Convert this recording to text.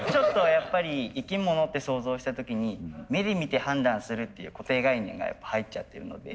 やっぱり生き物って想像した時に目で見て判断するっていう固定概念が入っちゃってるので。